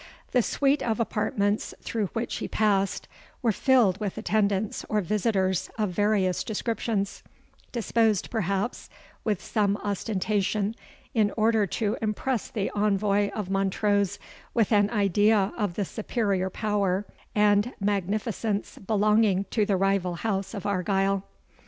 The suite of apartments through which he passed, were filled with attendants or visitors of various descriptions, disposed, perhaps, with some ostentation, in order to impress the envoy of Montrose with an idea of the superior power and magnificence belonging to the rival house of Argyle.